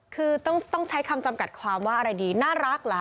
คือต้องใช้คำจำกัดความว่าอะไรดีน่ารักเหรอ